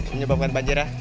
menyebabkan banjir ya